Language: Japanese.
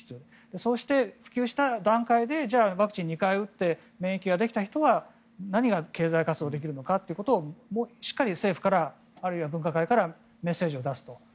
そして、普及した段階でじゃあワクチンを２回打って免疫ができた人は経済活動できるのかということをしっかり政府からあるいは分科会からメッセージを出すと。